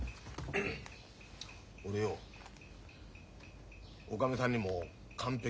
俺よおかみさんにも完璧に振られたよ。